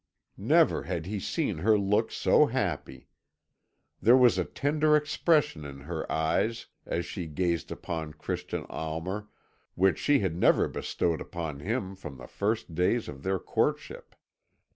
Never had he seen her look so happy. There was a tender expression in her eyes as she gazed upon Christian Almer which she had never bestowed upon him from the first days of their courtship.